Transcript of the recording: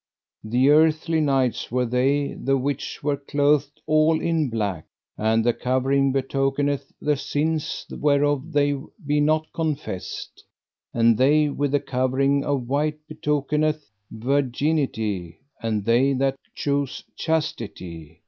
The earthly knights were they the which were clothed all in black, and the covering betokeneth the sins whereof they be not confessed. And they with the covering of white betokeneth virginity, and they that chose chastity.